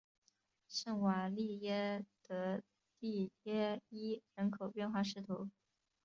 圣瓦利耶德蒂耶伊人口变化图示